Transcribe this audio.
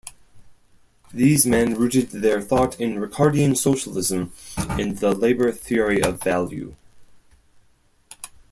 These men rooted their thought in Ricardian socialism and the labour theory of value.